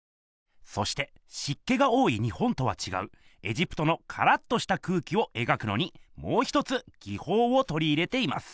そしてしっけが多い日本とはちがうエジプトのカラッとした空気を描くのにもう一つぎほうをとり入れています。